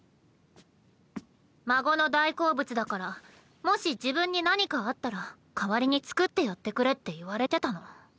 孫の大好物だからもし自分に何かあったら代わりに作ってやってくれって言われてたの。